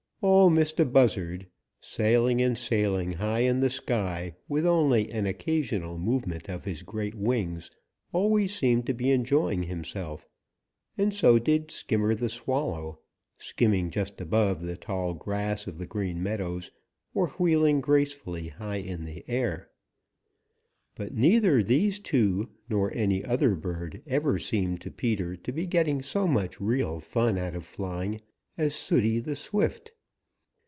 Ol' Mistah Buzzard, sailing and sailing high in the sky with only an occasional movement of his great wings, always seemed to be enjoying himself, and so did Skimmer the Swallow, skimming just above the tall grass of the Green Meadows or wheeling gracefully high in the air. But neither these two nor any other bird ever seemed to Peter to be getting so much real fun out of flying as Sooty the Swift.